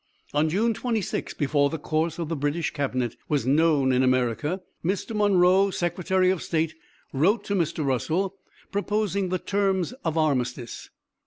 On June 26, before the course of the British Cabinet was known in America, Mr. Monroe, Secretary of State, wrote to Mr. Russell proposing the terms of armistice.